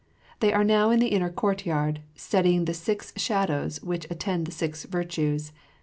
They are now in the inner courtyard, studying the six shadows which attend the six virtues.